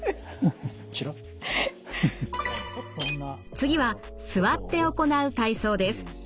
次は座って行う体操です。